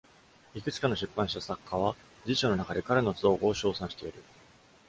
いくつかの出版した作家は自著の中で彼の造語を称賛している。